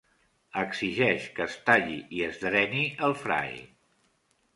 Exigeix que es talli i es dreni el Fry.